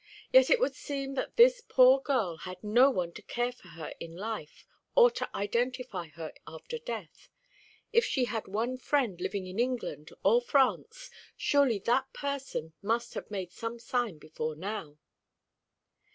"Yet it would seem that this poor girl had no one to care for her in life, or to identify her after death. If she had one friend living in England or France, surely that person must have made some sign before now."